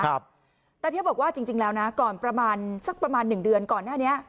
ตาเทียบบอกว่าจริงแล้วนะก่อนประมาณสักประมาณหนึ่งเดือนก่อนหน้านี้